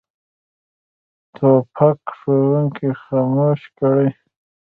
توپک ښوونکي خاموش کړي.